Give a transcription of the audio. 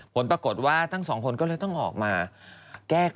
ผลปรากฏว่าทั้งสองคนก็เลยต้องออกมาแก้